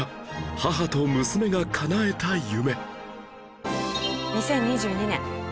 母と娘がかなえた夢